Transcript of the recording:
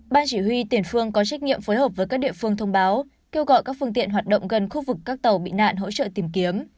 ban chỉ huy tiền phương có trách nhiệm phối hợp với các địa phương thông báo kêu gọi các phương tiện hoạt động gần khu vực các tàu bị nạn hỗ trợ tìm kiếm